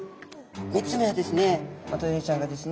３つ目はですね